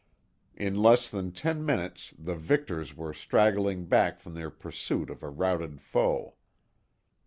In less than ten minutes the victors were straggling back from their pursuit of a routed foe.